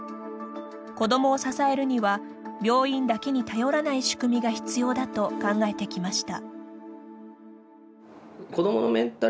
子どもを支えるには病院だけに頼らない仕組みが必要だと考えてきました。